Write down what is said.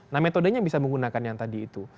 nah metodenya bisa menggunakan yang tadi itu